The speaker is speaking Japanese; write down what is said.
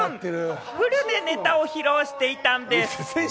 フルでネタを披露していたんです。